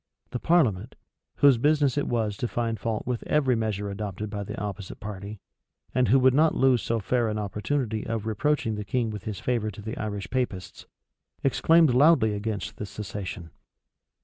The parliament, whose business it was to find fault with every measure adopted by the opposite party, and who would not lose so fair an opportunity of reproaching the king with his favor to the Irish Papists, exclaimed loudly against this cessation.